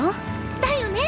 だよね。